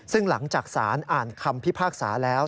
ซึ่งหลังจากสารอ่านคำพิพากษาแล้ว